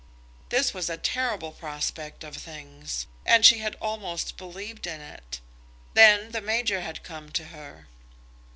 This was a terrible prospect of things; and she had almost believed in it. Then the major had come to her.